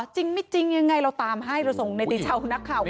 จริงไม่จริงยังไงเราตามให้เราส่งเนติชาวนักข่าวไป